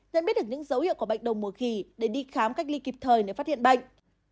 nhận biết được những dấu hiệu của bệnh đồng mùa khỉ để đi khám cách ly kịp thời nếu phát hiện bệnh